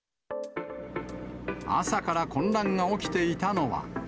朝から混乱が起きていたのは。